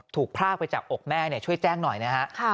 พรากไปจากอกแม่ช่วยแจ้งหน่อยนะฮะ